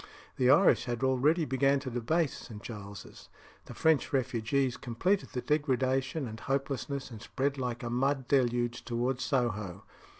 The Irish had already begun to debase St. Giles's; the French refugees completed the degradation and hopelessness, and spread like a mud deluge towards Soho.